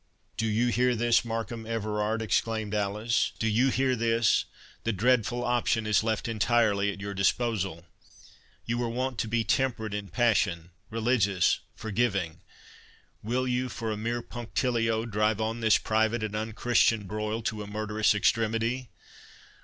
"Do you hear this, Markham Everard?" exclaimed Alice—"do you hear this?—The dreadful option is left entirely at your disposal. You were wont to be temperate in passion, religious, forgiving—will you, for a mere punctilio, drive on this private and unchristian broil to a murderous extremity?